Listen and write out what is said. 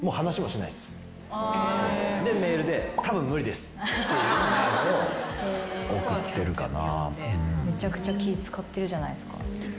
でメールで。っていうメールを送ってるかな。